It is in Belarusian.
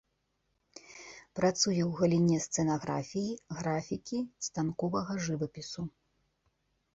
Працуе ў галіне сцэнаграфіі, графікі, станковага жывапісу.